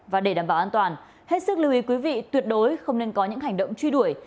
và để đảm bảo an toàn hết sức lưu ý quý vị tuyệt đối không nên có những hành động truy đuổi